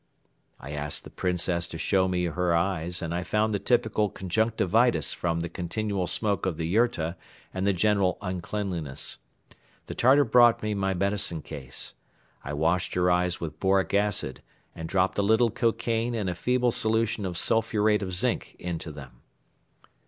I asked the Princess to show me her eyes and I found the typical conjunctivitis from the continual smoke of the yurta and the general uncleanliness. The Tartar brought me my medicine case. I washed her eyes with boric acid and dropped a little cocaine and a feeble solution of sulphurate of zinc into them.